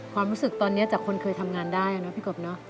ความรู้สึกตอนนี้จากคนเคยทำงานได้เนอะพี่กบเนอะ